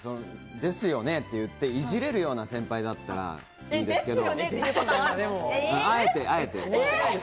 ですよねって言って、いじれるような先輩だったらいいんですけれど。